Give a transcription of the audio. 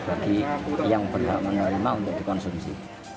bagi yang berhak menerima untuk dikonsumsi